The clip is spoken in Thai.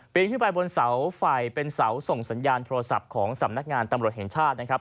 ขึ้นไปบนเสาไฟเป็นเสาส่งสัญญาณโทรศัพท์ของสำนักงานตำรวจแห่งชาตินะครับ